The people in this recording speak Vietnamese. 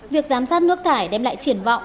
việc giám sát nước thái đem lại triển vọng